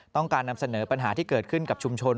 การนำเสนอปัญหาที่เกิดขึ้นกับชุมชน